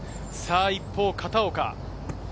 一方、片岡。